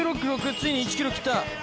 ついに１ｋｍ切った。